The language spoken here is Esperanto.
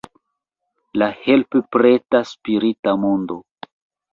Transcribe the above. La help-preta spirita mondo.